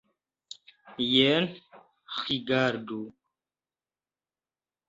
Jen, rigardu!